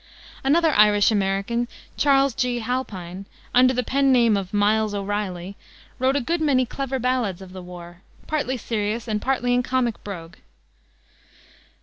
Another Irish American, Charles G. Halpine, under the pen name of "Miles O'Reilly," wrote a good many clever ballads of the war, partly serious and partly in comic brogue.